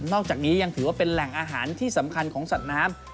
อกจากนี้ยังถือว่าเป็นแหล่งอาหารที่สำคัญของสัตว์น้ำ